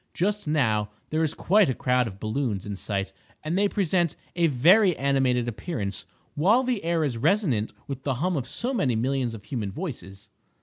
Just now there is quite a crowd of balloons in sight, and they present a very animated appearance, while the air is resonant with the hum of so many millions of human voices.